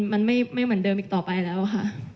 มันไม่เหมือนเดิมอีกต่อไปแล้วค่ะ